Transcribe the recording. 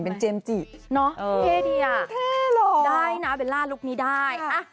แบลล่าแบลล่าแบลล่าแบลล่า